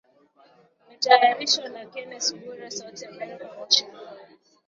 Imetayarishwa na Kennes Bwire, Sauti ya Amerika, Washington.